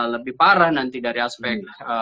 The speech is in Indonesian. lebih parah nanti dari aspek